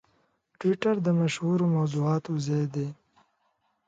ټویټر د مشهورو موضوعاتو ځای دی.